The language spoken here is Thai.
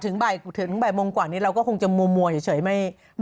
ถึงบ่ายโมงกว่านี้เราก็คงจะมัวเฉยไม่